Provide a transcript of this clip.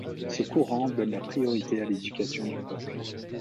Ce courant donne la priorité à l'éducation du peuple.